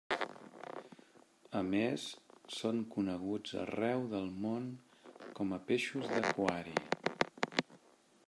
A més, són coneguts arreu del món com a peixos d'aquari.